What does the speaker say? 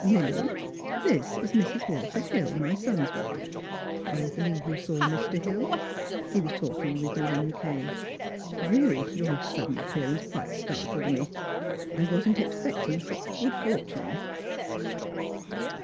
Milly, this is Mrs. Walter Hill, my son's wife. I believe you saw Mr. Hill ; he was talking with me when you came. Really, your sudden ap pearance quite startled me. I wasn't expecting such good fortune."